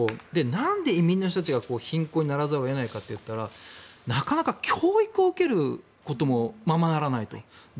なんで移民の人たちが貧困にならざるを得ないかといったらなかなか教育を受けることもままならないと。